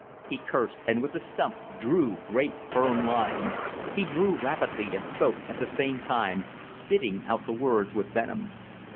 He cursed, and with the stump drew great firm lines. He drew rapidly and spoke at the same time, spitting out the words with venom.